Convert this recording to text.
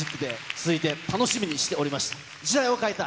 続いて、楽しみにしておりました、時代を変えた！